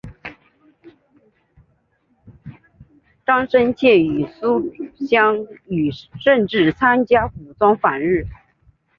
张深切与苏芗雨甚至参加武装反日。